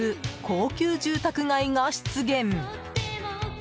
高級住宅街が出現。